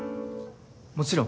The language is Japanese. もちろん。